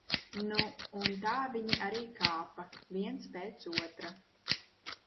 Nu, un tā viņi arī kāpa, viens pēc otra.